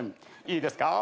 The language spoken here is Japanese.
いいですか？